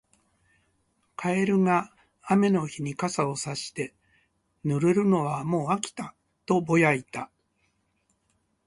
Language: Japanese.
カエルが雨の日に傘をさして、「濡れるのはもう飽きた」とぼやいた。